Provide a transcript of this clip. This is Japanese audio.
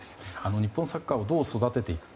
日本サッカーをどう育てていくか。